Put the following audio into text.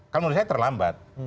kalau menurut saya terlambat